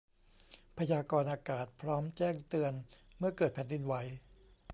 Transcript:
พยากรณ์อากาศพร้อมแจ้งเตือนเมื่อเกิดแผ่นดินไหว